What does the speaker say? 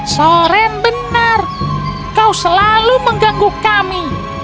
soren benar kau selalu mengganggu kami